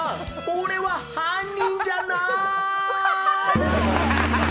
俺は犯人じゃない。